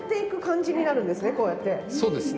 そうです。